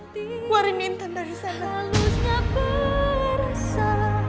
keluarin intan dari sana